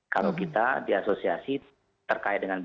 kalau kita di asosiasi terkaya dengan b dua b